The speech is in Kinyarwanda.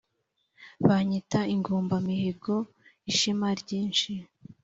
Banyita Ingombamihigo y’ishema ryinshi.